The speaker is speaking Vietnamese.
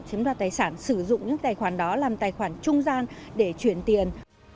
chiếm đoạt tài sản sử dụng những tài khoản đó làm tài khoản trung gian để chuyển tiền